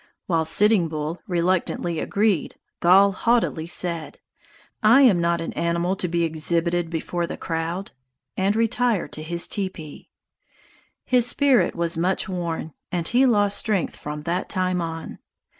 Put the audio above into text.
While Sitting Bull reluctantly agreed, Gall haughtily said: "I am not an animal to be exhibited before the crowd," and retired to his teepee. His spirit was much worn, and he lost strength from that time on.